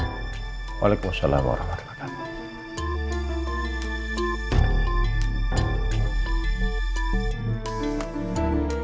waalaikumsalam warahmatullahi wabarakatuh